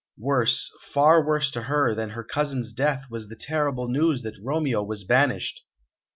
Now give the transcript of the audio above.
Worse, far worse to her, than her cousin's death was the terrible news that Romeo was banished.